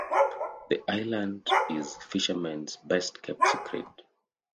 The island is fishermen's best-kept secret.